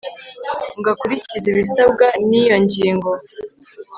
ngo akurikize ibisabwa n iyo ngingo